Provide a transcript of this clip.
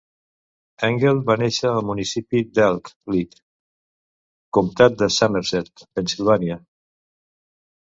Engle va néixer al municipi d'Elk Lick (comtat de Somerset, Pennsilvània).